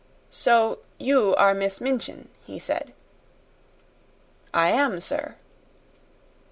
"So you are Miss Minchin?" he said. "I am, sir."